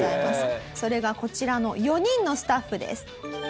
それがこちらの４人のスタッフです。